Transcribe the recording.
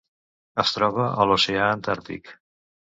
Es troba a l'Oceà Antàrtic: